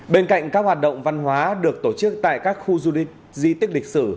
bên cạnh các hoạt động văn hóa được tổ chức tại các khu di tích lịch sử